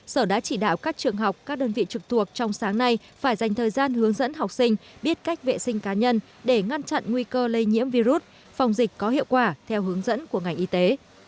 sở đã chỉ đạo các trường học các đơn vị trực thuộc trong sáng nay phải dành thời gian hướng dẫn học sinh biết cách vệ sinh cá nhân để ngăn chặn nguy cơ lây nhiễm virus phòng dịch có hiệu quả theo hướng dẫn của ngành y tế